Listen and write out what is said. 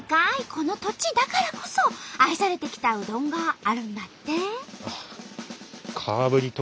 この土地だからこそ愛されてきたうどんがあるんだって。